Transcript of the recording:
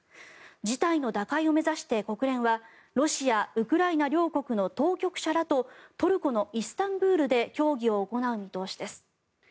事態の打開を目指して国連はロシア、ウクライナ両国の当局者らとトルコのイスタンブールで協議を行う見通しです。